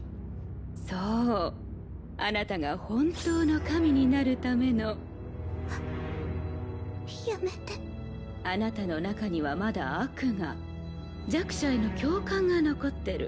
そあなたが本当の神になるための（紫やめてあなたの中にはまだ悪が弱者への共感が残ってる。